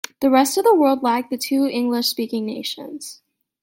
The rest of the world lagged the two English speaking nations.